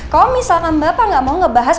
kalau misalkan bapak nggak mau ngebahas